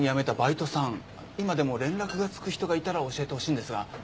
今でも連絡がつく人がいたら教えてほしいんですが。